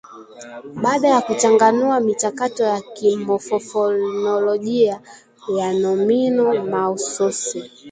Baada ya kuchanganua michakato ya kimofofonolojia ya nomino mahsusi